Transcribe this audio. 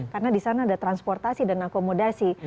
karena di sana ada transportasi dan akomodasi